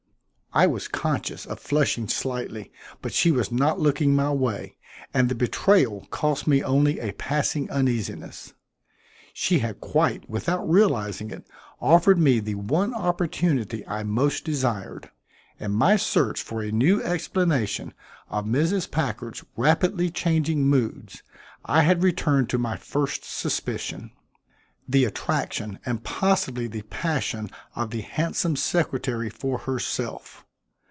I was conscious of flushing slightly, but she was not looking my way, and the betrayal cost me only a passing uneasiness. She had, quite without realizing it, offered me the one opportunity I most desired. In my search for a new explanation of Mrs. Packard's rapidly changing moods, I had returned to my first suspicion the attraction and possibly the passion of the handsome secretary for herself.